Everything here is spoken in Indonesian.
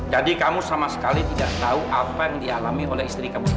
jadi kamu sama sekali tidak tahu apa yang dialami oleh istri kamu saja